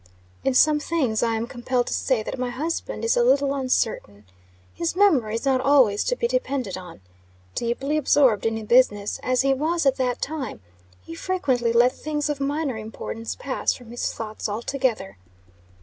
In some things, I am compelled to say that my husband is a little uncertain. His memory is not always to be depended on. Deeply absorbed in business, as he was at that time, he frequently let things of minor importance pass from his thoughts altogether.